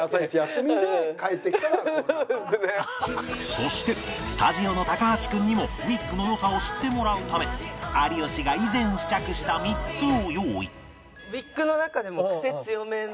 そしてスタジオの橋君にもウィッグの良さを知ってもらうため有吉が以前試着した３つを用意ウィッグの中でもクセ強めな。